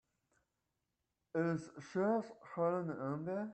Is Sheriff Helen in there?